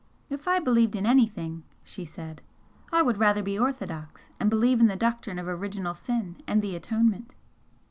"If I believed in anything," she said "I would rather be orthodox, and believe in the doctrine of original sin and the Atonement."